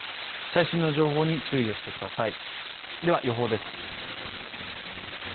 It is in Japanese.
最新の情報に注意をしてください。